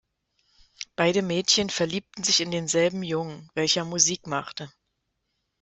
Beide Mädchen verliebten sich in denselben Jungen, welcher Musik machte.